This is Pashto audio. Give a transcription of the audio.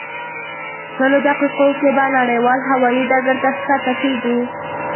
شلو دقیقو کې به نړیوال هوایي ډګر ته ښکته کېږو.